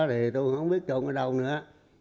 thì tôi không biết chôn ở đâu nữa